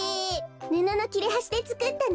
ぬののきれはしでつくったの。